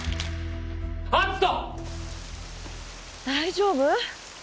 大丈夫？